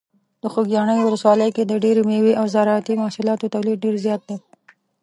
د خوږیاڼي ولسوالۍ کې د ډیری مېوې او زراعتي محصولاتو تولید ډیر زیات دی.